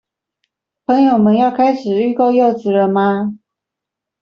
朋友們要開始預購柚子了嗎？